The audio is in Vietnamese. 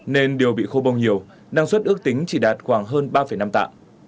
nên điều bị khô bông nhiều năng suất ước tính chỉ đạt khoảng hơn ba năm tạ